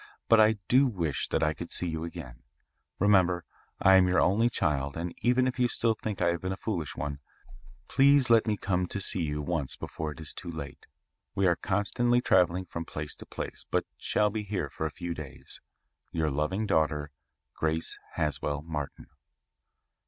But I do wish that I could see you again. Remember, I am your only child and even if you still think I have been a foolish one, please let me come to see you once before it is too late. We are constantly travelling from place to place, but shall be here for a few days. Your loving daughter, GRACE HASWELL MARTIN.